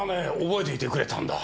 覚えていてくれたんだ。